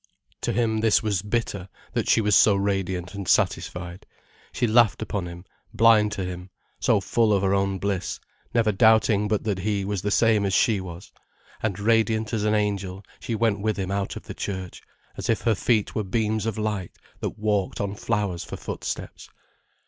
To him this was bitter, that she was so radiant and satisfied. She laughed upon him, blind to him, so full of her own bliss, never doubting but that he was the same as she was. And radiant as an angel she went with him out of the church, as if her feet were beams of light that walked on flowers for footsteps.